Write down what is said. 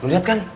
luh liat kan